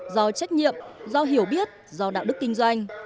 do trách nhiệm do hiểu biết do đạo đức kinh doanh